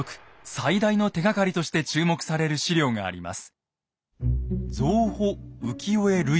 最大の手がかりとして注目される史料があります。